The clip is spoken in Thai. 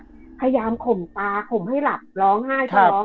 ก็คือแบบขยามคมปาคมให้หลับร้องไห้ท้อง